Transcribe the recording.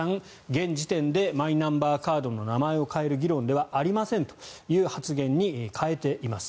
現時点でマイナンバーカードの名前を変える議論ではありませんという発言に変えています。